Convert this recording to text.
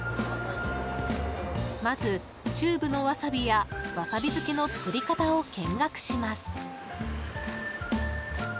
まず、チューブのワサビやワサビ漬けの作り方を見学します。